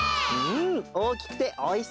おおきくておいしそうだね。